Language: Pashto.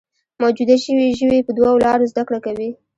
موجوده ژوي په دوو لارو زده کړه کوي.